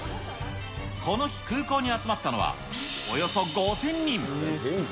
この日、空港に集まったのは、およそ５０００人。